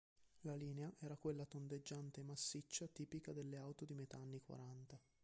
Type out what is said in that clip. La linea era quella tondeggiante e massiccia tipica delle auto di metà anni quaranta.